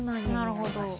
なるほど。